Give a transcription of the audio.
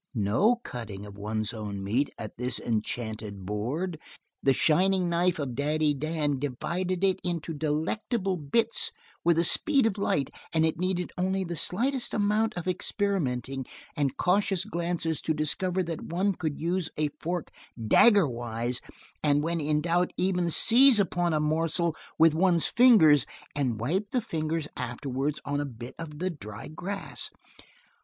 No cutting of one's own meat at this enchanted board! The shining knife of Daddy Dan divided it into delectable bits with the speed of light, and it needed only the slightest amount of experimenting and cautious glances to discover that one could use a fork daggerwise, and when in doubt even seize upon a morsel with one's fingers and wipe the fingers afterwards on a bit of the dry grass.